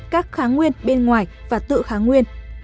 các kháng nguyên bên ngoài và tự kháng nguyên